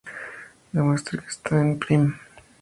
Demuestre que k está en prim.